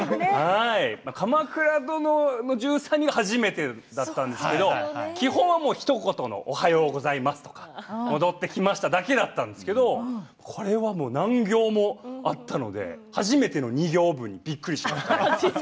「鎌倉殿の１３人」が初めてだったんですけど基本は、ひと言のおはようございますとか戻ってきましただけだったんですけどこれは何行もあったので初めての２行文にびっくりしました。